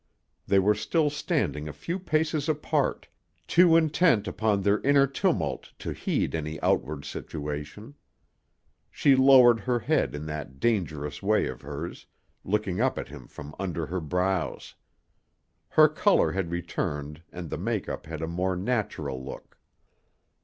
They were still standing a few paces apart, too intent upon their inner tumult to heed any outward situation. She lowered her head in that dangerous way of hers, looking up at him from under her brows. Her color had returned and the make up had a more natural look.